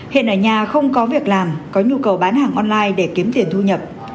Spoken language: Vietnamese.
hiện ở nhà không có việc làm có nhu cầu bán hàng online để kiếm tiền thu nhập